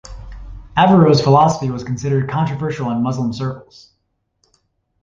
Averroes' philosophy was considered controversial in Muslim circles.